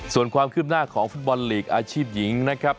ส่วนความคืบหน้าของฟุตบอลลีกอาชีพหญิงนะครับ